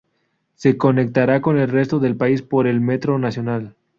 Se conectará con el resto del país por el metro nacional.